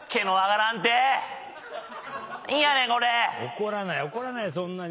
怒らない怒らないそんなに。